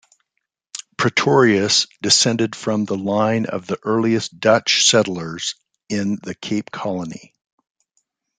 Pretorius descended from the line of the earliest Dutch settlers in the Cape Colony.